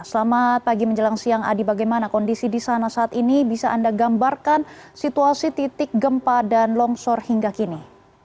selamat pagi menjelang siang adi bagaimana kondisi di sana saat ini bisa anda gambarkan situasi titik gempa dan longsor hingga kini